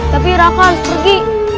tapi raka harus pergi